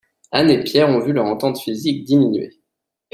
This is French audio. Anne et Pierre ont vu leur entente physique diminuer.